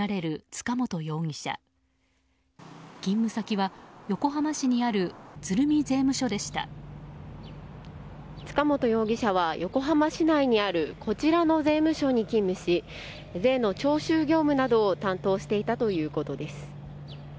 塚本容疑者は、横浜市内にあるこちらの税務署に勤務し税の徴収業務などを担当していたということです。